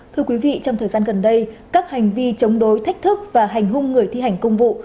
thưa quý vị trong thời gian gần đây các hành vi chống đối thách thức và hành hung người thi hành công vụ